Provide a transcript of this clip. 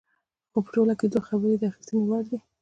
خو په ټوله کې دوه خبرې د اخیستنې وړ دي.